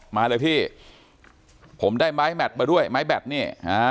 มาเลยพี่ผมได้ไม้แมทมาด้วยไม้แบตนี่